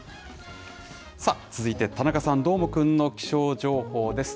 さあ、続いて、田中さん、どーもくんの気象情報です。